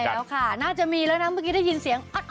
แล้วค่ะน่าจะมีแล้วนะเมื่อกี้ได้ยินเสียงอ๊อต